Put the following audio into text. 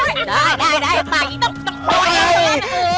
โอ้โฮได้ปากนี้ต้อง